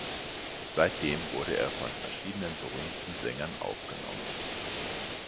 Seitdem wurde er von verschiedenen berühmten Sängern aufgenommen.